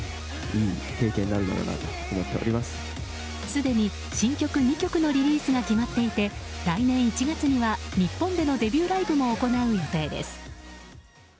すでに新曲２曲のリリースが決まっていて来年１月には、日本でのデビューライブも行う予定です。